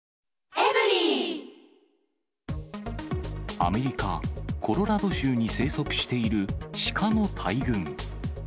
アメリカ・コロラド州に生息しているシカの大群。